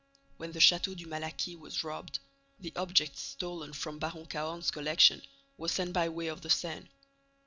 When the Château du Malaquis was robbed, the objects stolen from Baron Cahorn's collection were sent by way of the Seine.